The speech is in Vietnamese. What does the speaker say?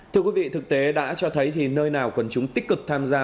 thưa quý vị thực tế đã cho thấy nơi nào quân chúng tích cực tham gia